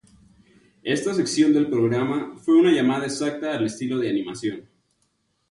Esta sección del programa fue una llamada exacta al estilo de animación.